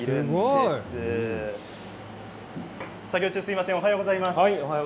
すごい。作業中すみませんおはようございます。